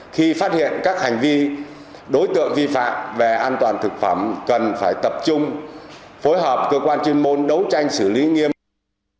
khi phát hiện các hành vi đối tượng vi phạm về an toàn thực phẩm cần phải tập trung phối hợp cơ quan chuyên môn đấu tranh xử lý nghiêm